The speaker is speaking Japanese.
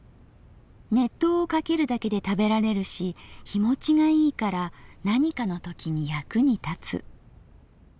熱湯をかけるだけで食べられるし日保ちがいいから何かのときに役に立つ」。